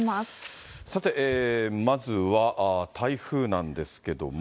さて、まずは台風なんですけども。